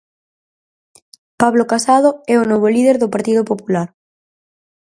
Pablo Casado é o novo líder do Partido Popular.